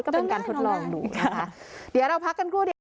ก็เป็นการทดลองหนูนะคะเดี๋ยวเราพักกันกัน